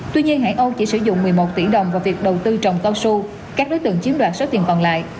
tuy nhiên hãng âu chỉ sử dụng một mươi một tỷ đồng vào việc đầu tư trồng cao su các đối tượng chiếm đoạt số tiền còn lại